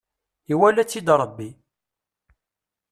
Iwala-tt-id Rebbi.